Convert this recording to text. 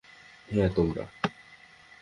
হ্যাঁ, তোমরা।